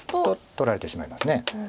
取られてしまいます。